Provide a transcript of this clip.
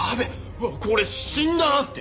うわっこれ死んだなって。